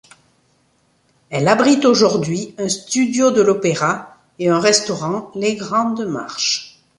Elle abrite aujourd'hui un studio de l'opéra, et un restaurant, Les Grandes Marches.